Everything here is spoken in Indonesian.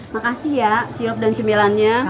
makasih ya sirup dan cemilannya